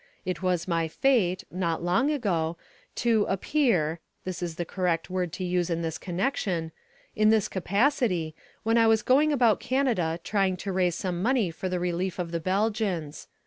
It was my fate, not long ago, to "appear" (this is the correct word to use in this connection) in this capacity when I was going about Canada trying to raise some money for the relief of the Belgians.